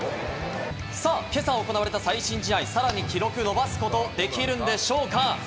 今朝行われた最新試合、さらに記録を伸ばすことができるんでしょうか？